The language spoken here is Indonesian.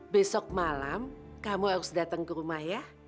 besok malam kamu harus datang ke rumah ya